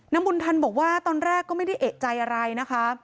บุญทันบอกว่าตอนแรกก็ไม่ได้เอกใจอะไรนะคะ